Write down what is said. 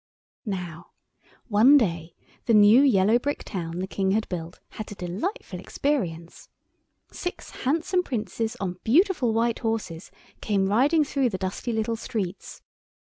Now one day the new yellow brick town the King had built had a delightful experience. Six handsome Princes on beautiful white horses came riding through the dusty little streets.